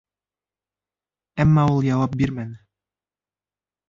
Әммә ул яуап бирмәне.